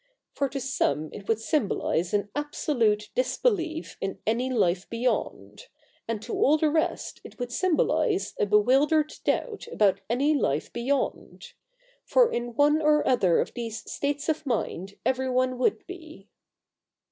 For to some it would symbolise an absolute disbelief in any life beyond ; and to all the rest it would symbolise a bewildered doubt about any life beyond. For in one or other of these states of mind everyone would be.